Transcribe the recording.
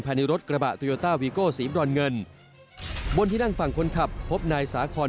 ในรถกระบะโตโยต้าวีโก้สีบรอนเงินบนที่นั่งฝั่งคนขับพบนายสาคอน